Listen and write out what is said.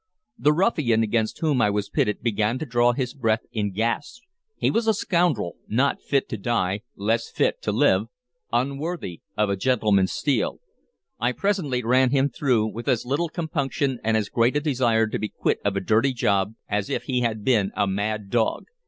The ruffian against whom I was pitted began to draw his breath in gasps. He was a scoundrel not fit to die, less fit to live, unworthy of a gentleman's steel. I presently ran him through with as little compunction and as great a desire to be quit of a dirty job as if he had been a mad dog.